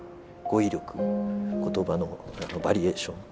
言葉のバリエーション。